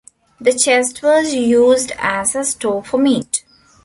The chest was used as a store for meat.